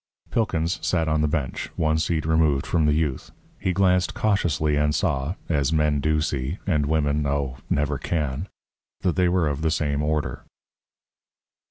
Pilkins sat on the bench, one seat removed from the youth. He glanced cautiously and saw (as men do see; and women oh! never can) that they were of the same order.